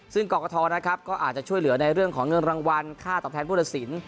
ซึ่งกรกทก็อาจจะช่วยเหลือในเรื่องของเงินรางวัลค่าตอบแทนผู้ลิศีล